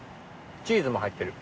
チーズも入ってる。